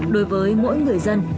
đối với mỗi người dân